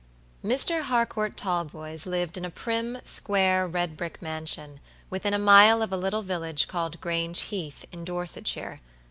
Mr. Harcourt Talboys lived in a prim, square, red brick mansion, within a mile of a little village called Grange Heath, in Dorsetshire.